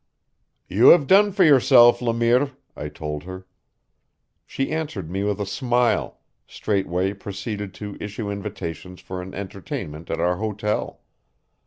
"You have done for yourself, Le Mire," I told her. She answered me with a smile straightway proceeded to issue invitations for an "entertainment" at our hotel.